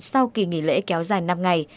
sau kỳ nghỉ lễ kéo dài năm ngày